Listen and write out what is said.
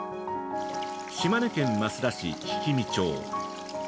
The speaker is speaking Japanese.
島根県益田市匹見町。